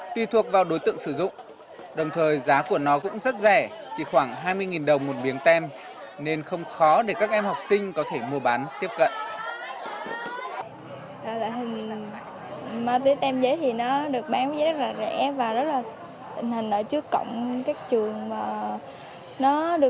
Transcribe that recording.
tùy thuộc vào đối tượng sử dụng đồng thời giá của nó cũng rất rẻ chỉ khoảng hai mươi đồng một miếng tem nên không khó để các em học sinh có thể mua bán tiếp cận